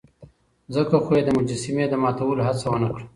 ځکه خو يې د مجسمې د ماتولو هڅه ونه کړه.